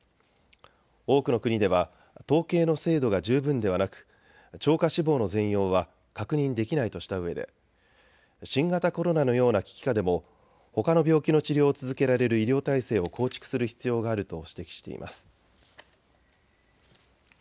多くの国では統計の精度が十分ではなく超過死亡の全容は確認できないとしたうえで新型コロナのような危機下でもほかの病気の治療を続けられる医療体制を構築する必要があると指摘しています。